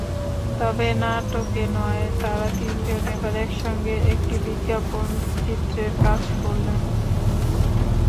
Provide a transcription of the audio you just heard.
তবে নাটকে নয়, তাঁরা তিনজন এবার একসঙ্গে একটি বিজ্ঞাপনচিত্রের কাজ করলেন।